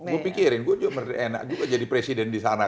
gue pikirin gue juga merasa enak juga jadi presiden disana